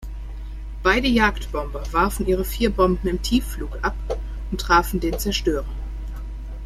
Beide Jagdbomber warfen ihre vier Bomben im Tiefflug ab und trafen den Zerstörer.